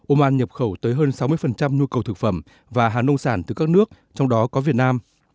oman nhập khẩu tới hơn sáu mươi nhu cầu thực phẩm và hàng nông sản từ các nước trong đó có việt nam